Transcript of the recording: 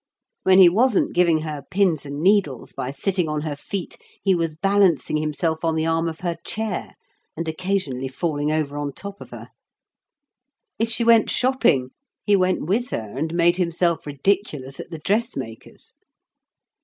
When he wasn't giving her pins and needles by sitting on her feet he was balancing himself on the arm of her chair and occasionally falling over on top of her. If she went shopping, he went with her and made himself ridiculous at the dressmaker's.